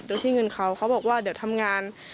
โดยที่เงินเขาเขาบอกว่าเดี๋ยวทำงาน